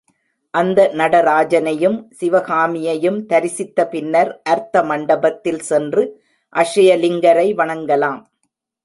அந்த நடனராஜனையும் சிவகாமியையும் தரிசித்த பின்னர் அர்த்த மண்டபத்தில் சென்று அக்ஷயலிங்கரை வணங்கலாம்.